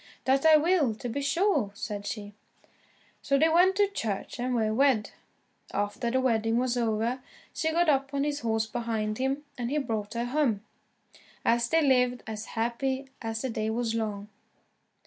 "That I will, to be sure," said she. So they went to church, and were wed. After the wedding was over, she got up on his horse behind him, and he brought her home. And they lived as happy as the day was long.